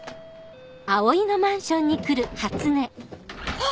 あっ！